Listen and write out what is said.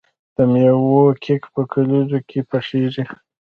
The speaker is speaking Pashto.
د میوو کیک په کلیزو کې پخیږي.